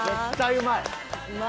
うまい。